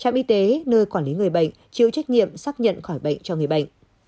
trạm y tế nơi quản lý người bệnh chịu trách nhiệm xác nhận khỏi bệnh cho người bệnh